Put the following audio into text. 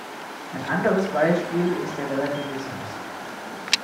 Ein anderes Beispiel ist der Relativismus.